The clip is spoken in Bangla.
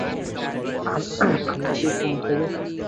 আমরা কি পৌঁছে গেছি?